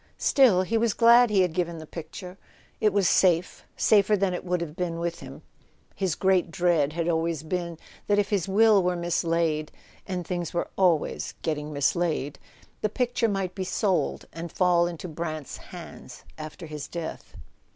Still, he was glad he had given the picture. It was safe, safer than it would have been with him. His great dread had always been that if his will were mislaid (and his things were always getting mislaid) the picture might be sold, and fall into Brant's hands after his death.